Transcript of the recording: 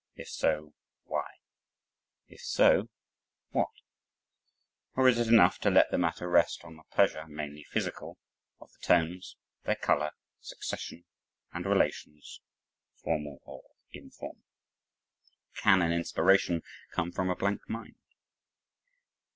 If so why? If so what? Or is it enough to let the matter rest on the pleasure mainly physical, of the tones, their color, succession, and relations, formal or informal? Can an inspiration come from a blank mind?